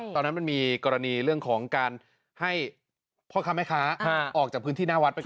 ตอนนั้นมันมีกรณีเรื่องของการให้พ่อค้าแม่ค้าออกจากพื้นที่หน้าวัดไปก่อน